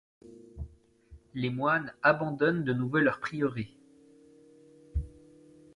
Les moines abandonnent de nouveau leur prieuré.